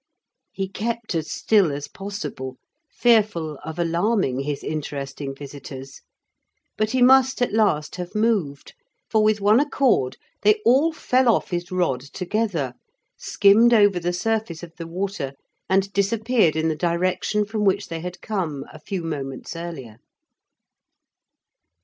He kept as still as possible, fearful of alarming his interesting visitors, but he must at last have moved, for, with one accord, they all fell off his rod together, skimmed over the surface of the water and disappeared in the direction from which they had come a few moments earlier.